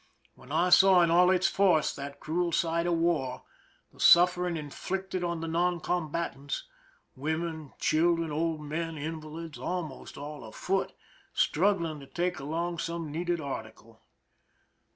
Then I saw in all its force that cruel side of war, the suffering inflicted on the non combatants— women, children, old men, invalids, almost all afoot, struggling to take along some needed article.